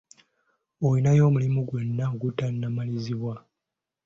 Olinayo omulimu gwonna ogutannamalirizibwa?